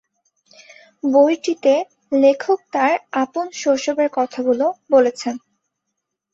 বইটিতে লেখক তার আপন শৈশবের কথাগুলো বলেছেন।